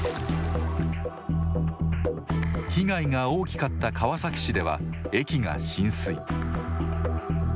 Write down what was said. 被害が大きかった川崎市では駅が浸水。